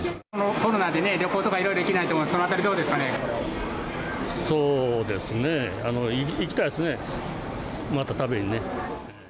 コロナで旅行とかいろいろ行けないと思うんで、そのあたりどそうですね、行きたいですね、また食べにね。